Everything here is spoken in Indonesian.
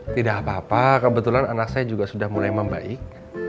tidak apa apa kebetulan anak saya juga sudah mulai membaik